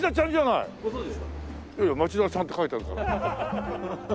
いやいや町田ちゃんって書いてあるから。